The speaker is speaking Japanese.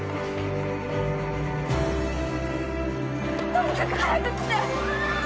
とにかく早く来て！